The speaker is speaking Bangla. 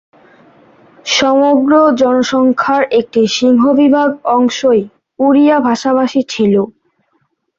সমগ্র জনসংখ্যার একটি সিংহভাগ অংশই ওড়িয়া ভাষাভাষী ছিল।